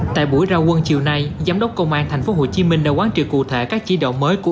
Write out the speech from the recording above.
tại buổi ra quân chiều nay giám đốc công an tp hcm đã quán triệt cụ thể các chỉ đạo mới của